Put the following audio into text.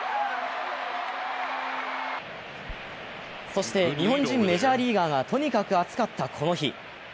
そして日本人メジャーリーガーがとにかく熱かったこの日。